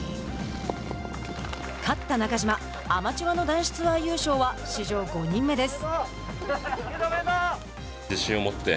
勝った中島アマチュアの男子ツアー優勝は史上５人目です。